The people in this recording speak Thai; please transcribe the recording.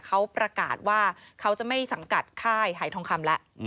เขาประกาศว่าเขาจะไม่สังกัดค่ายหายทองคำแล้ว